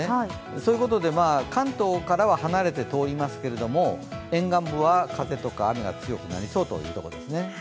そういうことで関東からは離れて通りますが沿岸部は風とか雨が強くなりそうです。